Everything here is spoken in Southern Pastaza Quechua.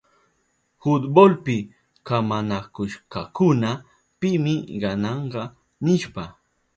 Fultbolpi kamanakushkakuna pimi gananka nishpa.